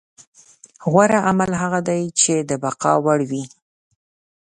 غوره عمل هغه دی چې د بقا وړ وي.